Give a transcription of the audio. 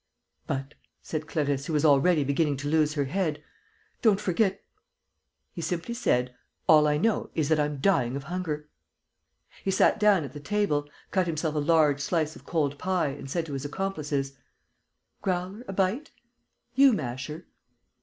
"But," said Clarisse, who was already beginning to lose her head, "don't forget...." He simply said: "All I know is that I'm dying of hunger." He sat down at the table, cut himself a large slice of cold pie and said to his accomplices: "Growler? A bite? You, Masher?"